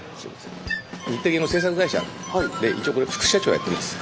日テレ系の制作会社で一応副社長やってます。